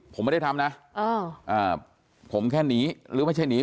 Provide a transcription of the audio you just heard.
ผมไม่ได้ทำนะผมแค่หนีหรือไม่ใช่หนี